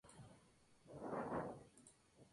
Es el embajador de su país en Grecia.